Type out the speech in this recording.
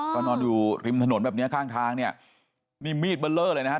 ก็นอนอยู่ริมถนนแบบเนี้ยข้างทางเนี่ยนี่มีดเบอร์เลอร์เลยนะครับ